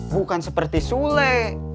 bukan seperti sule